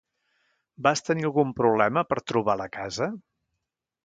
Vas tenir algun problema per trobar la casa?